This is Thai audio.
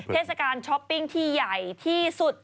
เทศกาลช้อปปิ้งที่ใหญ่ที่สุด